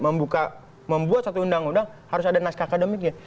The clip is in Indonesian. maaf membuat satu undang undang harus ada naskah akademik ya